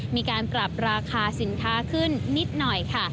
มีการปรับราคาสินค้าขึ้นนิดหน่อยค่ะ